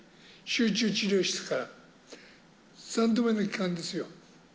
ＩＣＵ・集中治療室から、３度目の帰還ですよ。